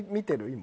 今。